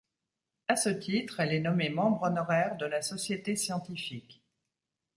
À ce titre, elle est nommée membre honoraire de la société scientifique.